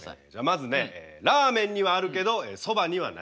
まずねラーメンにはあるけどそばにはない。